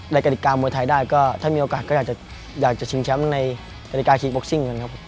กฎิกามวยไทยได้ก็ถ้ามีโอกาสก็อยากจะชิงแชมป์ในนาฬิกาคิงบ็อกซิ่งกันครับผม